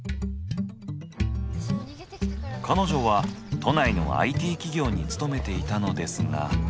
彼女は都内のＩＴ企業に勤めていたのですが。